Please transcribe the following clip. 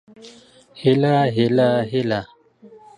هيله هيله هيله